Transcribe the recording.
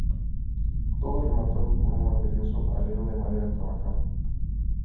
Todo rematado por un maravilloso alero de madera trabajada.